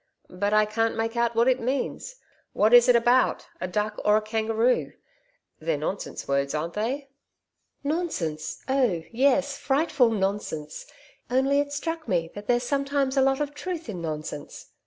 'But I can't make out what it means. What is it about a duck or a kangaroo? They're nonsense words, aren't they?' 'Nonsense oh yes, frightful nonsense. Only it struck me that there's sometimes a lot of truth in nonsense.